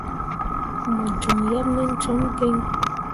Mo joŋ yeb nen cum gǝǝai.